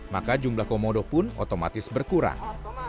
maka jumlah komodo pun otomatis berkurang